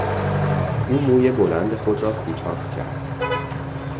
او موی بلند خود را کوتاه کرد.